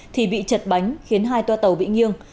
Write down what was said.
thì bị chật bánh khiến hai toa tàu bị nghiêng